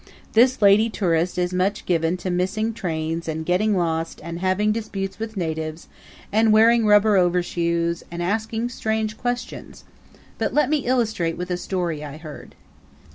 This lady tourist is much given to missing trains and getting lost and having disputes with natives and wearing rubber overshoes and asking strange questions but let me illustrate with a story I heard.